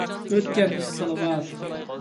ئۆتكەن ئىش سالاۋات.